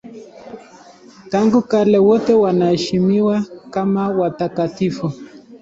Tangu kale wote wanaheshimiwa kama watakatifu.